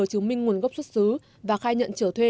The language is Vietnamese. chứng minh nguồn gốc xuất xứ và khai nhận trở thuê